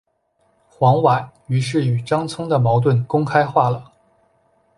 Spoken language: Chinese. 黄绾于是与张璁的矛盾公开化了。